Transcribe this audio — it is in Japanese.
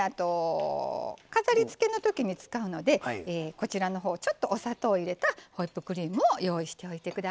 飾りつけの時に使うのでこちらの方ちょっとお砂糖を入れたホイップクリームを用意しておいて下さい。